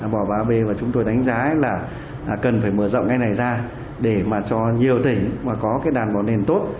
bò ba b mà chúng tôi đánh giá là cần phải mở rộng ngay này ra để mà cho nhiều tỉnh mà có cái đàn bò nền tốt